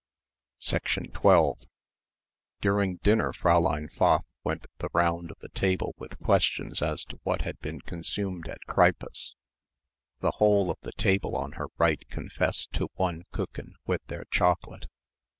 12 During dinner Fräulein Pfaff went the round of the table with questions as to what had been consumed at Kreipe's. The whole of the table on her right confessed to one Kuchen with their chocolate.